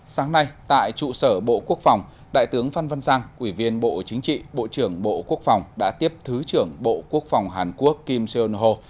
sáng nay tại trụ sở bộ quốc phòng đại tướng phan văn giang ủy viên bộ chính trị bộ trưởng bộ quốc phòng đã tiếp thứ trưởng bộ quốc phòng hàn quốc kim seon ho